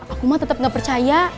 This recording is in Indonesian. aku mah tetap gak percaya